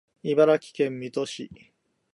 茨城県水戸市